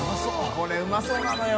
これうまそうなのよ。